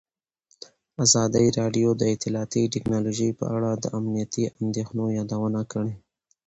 ازادي راډیو د اطلاعاتی تکنالوژي په اړه د امنیتي اندېښنو یادونه کړې.